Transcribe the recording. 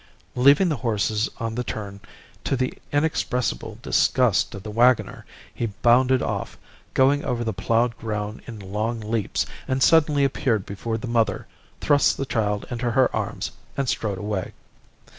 Leaving the horses on the turn, to the inexpressible disgust of the waggoner he bounded off, going over the ploughed ground in long leaps, and suddenly appeared before the mother, thrust the child into her arms, and strode away.